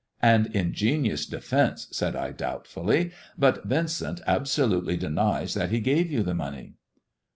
An ingenious defence," said I doubtfully, " but Yincent absolutely denies that he gave you the money."